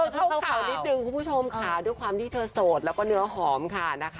เข้าข่าวนิดนึงคุณผู้ชมค่ะด้วยความที่เธอโสดแล้วก็เนื้อหอมค่ะนะคะ